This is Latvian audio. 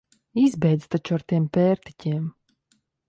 Izbeidz taču ar tiem pērtiķiem!